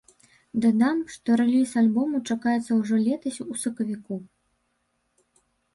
Дадам, што рэліз альбому чакаецца ўжо летась у сакавіку.